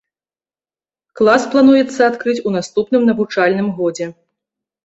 Клас плануецца адкрыць у наступным навучальным годзе.